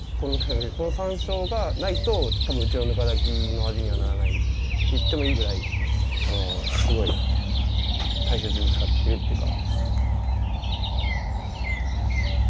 この山椒がないと多分うちのぬか炊きの味にはならないっていってもいいぐらいすごい大切に使ってるっていうか。